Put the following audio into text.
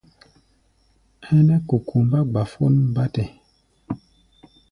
Ɛ́nɛ́ kukumbá gbafón bátɛ.